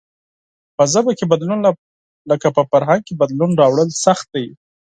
په ژبه کې بدلون لکه په فرهنگ کې بدلون راوړل سخت دئ.